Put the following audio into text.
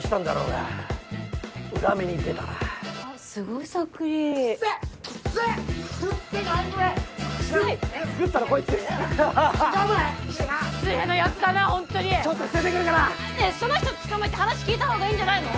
ねえその人捕まえて話聞いた方がいいんじゃないの？